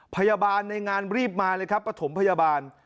พยาบาลในงานรีบมาเลยครับประถมพยาบาล